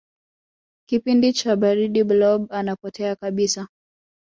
kipindi cha baridi blob anapotea kabisa